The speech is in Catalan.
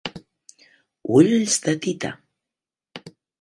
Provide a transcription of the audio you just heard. Ulls de tita.